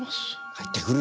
入ってくる？